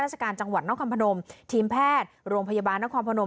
ราชการจังหวัดนครพนมทีมแพทย์โรงพยาบาลนครพนม